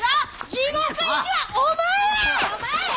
地獄行きはお前や！